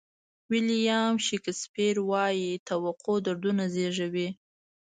ویلیام شکسپیر وایي توقع دردونه زیږوي.